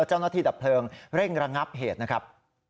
เจ้าหน้าที่ดับเพลิงเร่งรังงับเหตุนะครับ